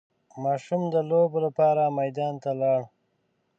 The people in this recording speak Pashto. ماشوم د لوبو لپاره میدان ته لاړ.